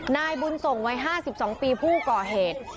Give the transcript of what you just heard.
นายบุญส่งวัย๕๒ปีผู้ก่อเหตุ